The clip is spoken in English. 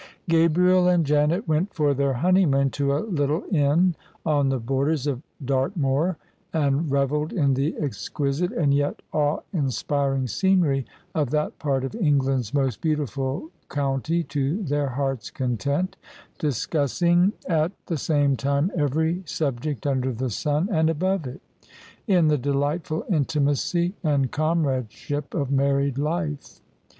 Gabriel and Janet went for their honeymoon to a little inn on the borders of Dartmoor; and revelled in the exqui site and yet awe inspiring scenery of that part of England's most beautiful county to their hearts' content: discussing at [ 202 ] OF ISABEL CARNABY the same time every subject under the sun and above it, in the delightful intimaqr and comradeship of married life.